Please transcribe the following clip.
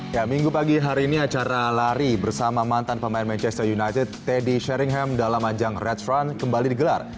ya minggu pagi hari ini acara lari bersama mantan pemain manchester united teddy sharingham dalam ajang red run kembali digelar